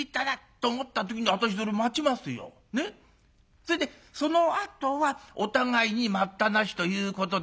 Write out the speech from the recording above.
それでそのあとはお互いに『待ったなし』ということで」。